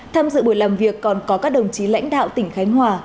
tham dự buổi làm việc còn có các đồng chí lãnh đạo tỉnh khánh hòa